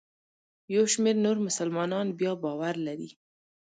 یو شمېر نور مسلمانان بیا باور لري.